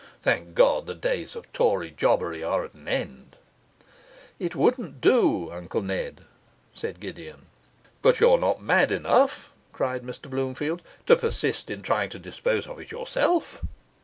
Thank God, the days of Tory jobbery are at an end.' 'It wouldn't do, Uncle Ned,' said Gideon. 'But you're not mad enough,' cried Mr Bloomfield, 'to persist in trying to dispose of it yourself?